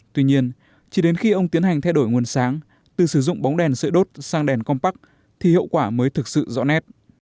tuy nhiên chỉ đến khi ông tiến hành thay đổi nguồn sáng từ sử dụng bóng đèn sợi đốt sang đèn compac thì hiệu quả mới thực sự rõ nét